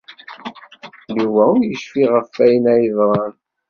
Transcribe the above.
Yuba ur yecfi ɣef wayen ay yeḍran.